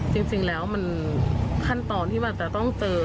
จริงแล้วมันขั้นตอนที่มันจะต้องเจอ